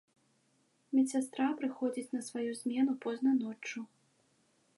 Медсястра прыходзіць на сваю змену позна ноччу.